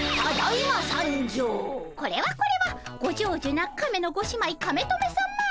これはこれはご長寿な亀のご姉妹カメトメさま。